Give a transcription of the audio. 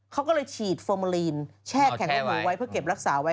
เขาก็เลยฉีดฟอร์โมลีนแช่แข็งและหมูไว้เพื่อเก็บรักษาไว้